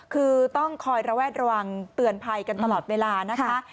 คือต้องคอยระแวดระวังเตือนภัยกันตลอดเวลานะคะ